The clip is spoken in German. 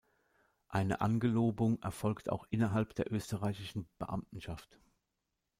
Eine Angelobung erfolgt auch innerhalb der österreichischen Beamtenschaft.